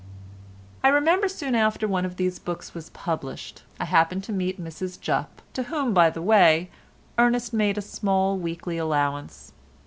I remember soon after one of these books was published I happened to meet Mrs Jupp to whom, by the way, Ernest made a small weekly allowance.